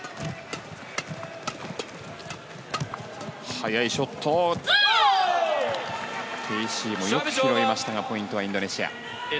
速いショットをテイ・シイもよく拾いましたがポイントはインドネシア。